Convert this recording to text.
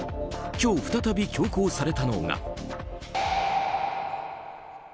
今日、再び強行されたのが。